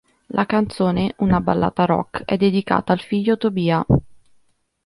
La canzone, una ballata rock, è dedicata al figlio Tobia.